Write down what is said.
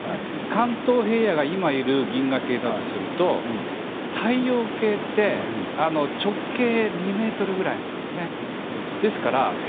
関東平野が今いる銀河系だとすると太陽系って直径２ｍぐらいなんですよね。